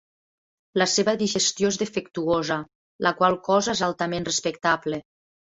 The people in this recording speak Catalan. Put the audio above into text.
La seva digestió és defectuosa, la qual cosa és altament respectable.